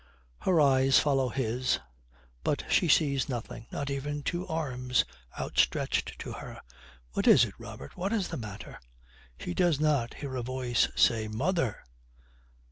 Her eyes follow his, but she sees nothing, not even two arms outstretched to her. 'What is it, Robert? What is the matter?' She does not hear a voice say, 'Mother!'